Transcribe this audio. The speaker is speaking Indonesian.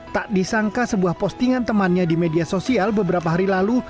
tak disangka sebuah postingan temannya di media sosial beberapa hari lalu